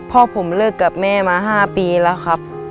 พ่อผมเลิกกับแม่มา๕ปีแล้วครับ